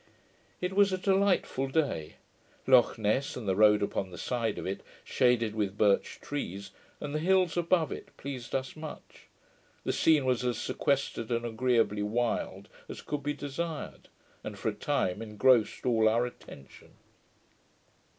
It was a delightful day. Lochness, and the road upon the side of it, shaded with birch trees, and the hills above it, pleased us much. The scene was as sequestered and agreeably wild as could be desired, and for a time engrossed all our attention.